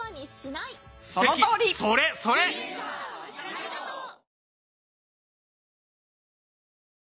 ありがとう！